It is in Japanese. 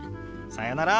さよなら！